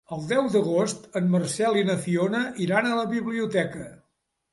El deu d'agost en Marcel i na Fiona iran a la biblioteca.